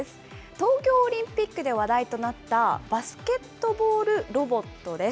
東京オリンピックで話題となった、バスケットボールロボットです。